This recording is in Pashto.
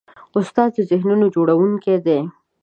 استاد د ذهنونو جوړوونکی دی.